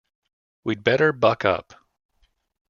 We’d better buck up.